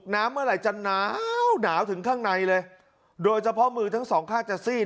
เมื่อไหร่จะหนาวหนาวถึงข้างในเลยโดยเฉพาะมือทั้งสองข้างจะซีด